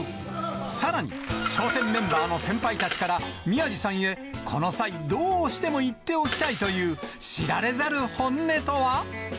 さらに、笑点メンバーの先輩たちから、宮治さんへ、この際、どうしても言っておきたいという知られざる本音とは？